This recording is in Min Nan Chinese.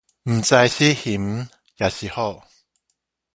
毋知是熊抑是虎